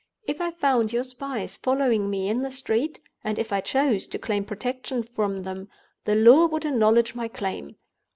If I found your spies following me in the street, and if I chose to claim protection from them, the law would acknowledge my claim.